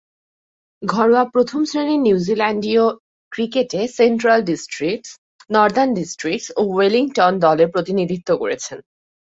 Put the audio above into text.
ঘরোয়া প্রথম-শ্রেণীর নিউজিল্যান্ডীয় ক্রিকেটে সেন্ট্রাল ডিস্ট্রিক্টস, নর্দার্ন ডিস্ট্রিক্টস ও ওয়েলিংটন দলের প্রতিনিধিত্ব করেছেন।